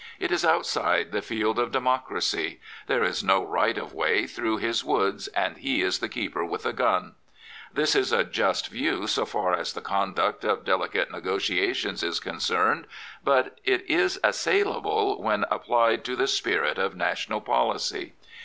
It is outside the field of democracy. There is no right of way through his woods, and he is the keeper with a gun. This is a just view so far as the conduct of delicate negotiations is concerned, but it is assailable when applied to the spirit of national policy.